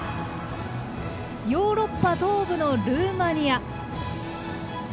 ヨーロッパ東部のルーマニア。